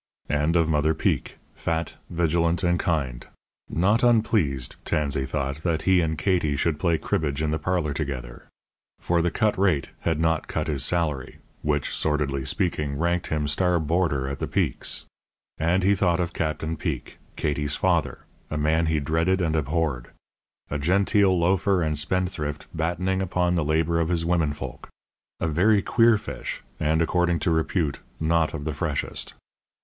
And of Mother Peek, fat, vigilant and kind; not unpleased, Tansey thought, that he and Katie should play cribbage in the parlour together. For the Cut rate had not cut his salary, which, sordidly speaking, ranked him star boarder at the Peek's. And he thought of Captain Peek, Katie's father, a man he dreaded and abhorred; a genteel loafer and spendthrift, battening upon the labour of his women folk; a very queer fish, and, according to repute, not of the freshest.